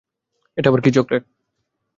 এটা আবার কি চকলেট?